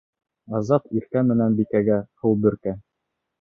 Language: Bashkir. Азат Иркә менән Бикәгә һыу бөркә.